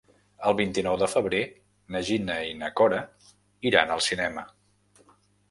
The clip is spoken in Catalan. El vint-i-nou de febrer na Gina i na Cora iran al cinema.